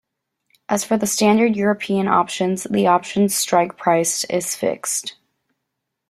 As for the standard European options, the option's strike price is fixed.